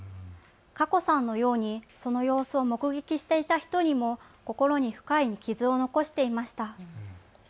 かこさんのようにその様子を目撃していた人にも心に深い傷を残していました。